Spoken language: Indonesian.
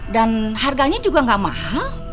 dan harganya juga gak mahal